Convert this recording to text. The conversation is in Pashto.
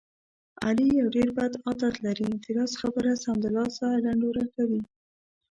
علي یو ډېر بد عادت لري. د راز خبره سمدلاسه ډنډوره کوي.